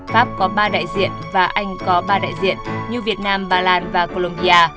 pháp có ba đại diện và anh có ba đại diện như việt nam bà lan và colombia